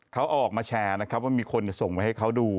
เขาเอาออกมาแชร์ว่ามีคนส่งไว้ให้เขาดู